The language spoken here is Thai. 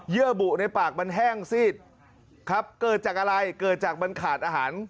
ื่อบุในปากมันแห้งซีดครับเกิดจากอะไรเกิดจากมันขาดอาหาร